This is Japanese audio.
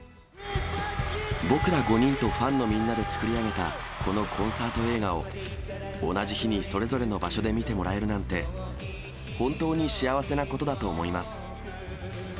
僕ら５人とファンのみんなで作り上げた、このコンサート映画を、同じ日にそれぞれの場所で見てもらえるなんて、本当に幸せなことだと思います。